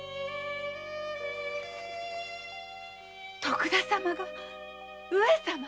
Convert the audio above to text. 徳田様が上様